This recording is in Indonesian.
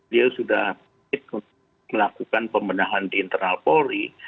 dia sudah melakukan pembenahan di internal polri